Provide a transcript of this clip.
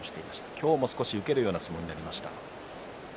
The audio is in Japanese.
今日も少し受けるような相撲になりました。